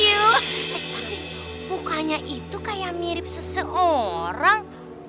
eh tapi mukanya itu kayak mirip seseorang